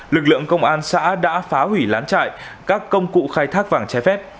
lực lượng công an xã đã phá hủy lán trại các công cụ khai thác vàng trái phép